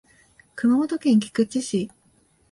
熊本県菊池市